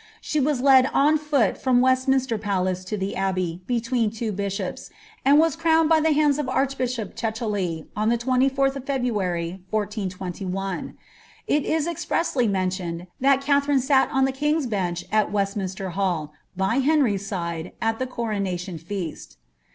She was led on foot from Westminster Palace to the abbey, between two bishops, and was ci owned by tho bands of archbishop Chichely, on the 24th of February, 1421. It is expressly mentioned that Katherine sat on the King's Bench at West^ minster Hall, by Henry's side, at the coronation feast.